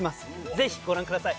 ぜひご覧ください